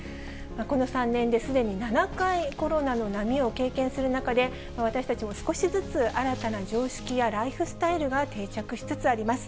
この３年ですでに７回コロナの波を経験する中で、私たちも少しずつ新たな常識やライフスタイルが定着しつつあります。